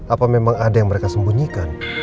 apa memang ada yang mereka sembunyikan